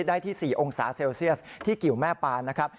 ได้ที่๔องศาเซลเซียสที่กิวแม่ปานนะครับ